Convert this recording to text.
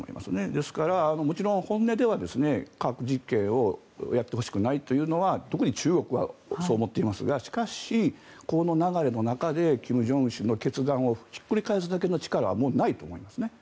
ですから、もちろん本音では核実験をやってほしくないというのは特に中国はそう思っていますがしかし、この流れの中で金正恩氏の決断をひっくり返すだけの力はもうないと思いますね。